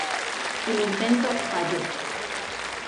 El intento falló.